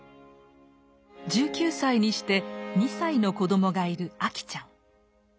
１９歳にして２歳の子どもがいる秋ちゃん。